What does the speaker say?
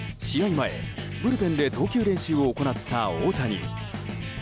前、ブルペンで投球練習を行った大谷。